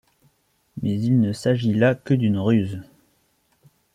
Mais il ne s'agit là que d'une ruse.